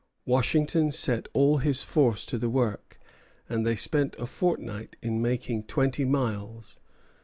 Washington set all his force to the work, and they spent a fortnight in making twenty miles.